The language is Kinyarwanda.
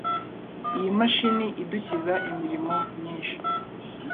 Iyi mashini idukiza imirimo myinshi.